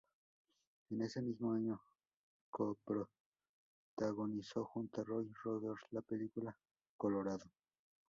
En ese mismo año, coprotagonizó junto a Roy Rogers la película Colorado.